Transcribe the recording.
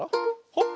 ほっ！